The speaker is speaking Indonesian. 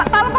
pak pak pak